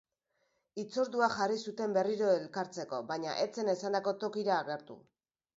Hitzordua jarri zuten berriro elkartzeko, baina ez zen esandako tokira agertu.